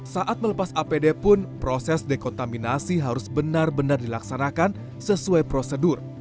saat melepas apd pun proses dekontaminasi harus benar benar dilaksanakan sesuai prosedur